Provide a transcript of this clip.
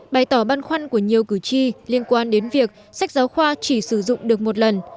bày tỏ băn khoăn của nhiều cử tri liên quan đến việc sách giáo khoa chỉ sử dụng được một lần